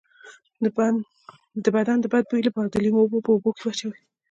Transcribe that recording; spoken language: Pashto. د بدن د بد بوی لپاره د لیمو اوبه په اوبو کې واچوئ